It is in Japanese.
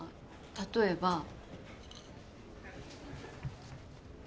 例えば。